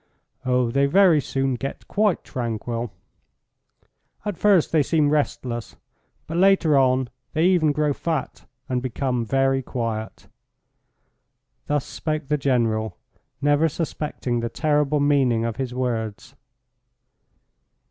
Oh, they very soon get quite tranquil. At first they seem restless, but later on they even grow fat and become very quiet." Thus spoke the General, never suspecting the terrible meaning of his words.